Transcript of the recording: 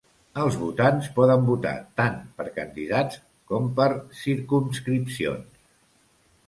Els votants poden votar tant per candidats com per circumscripcions.